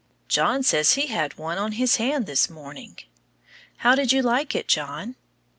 John says he had one on his hand this morning. How did you like it, John?